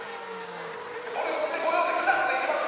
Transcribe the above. これ持ってこようってクラスで決まっ。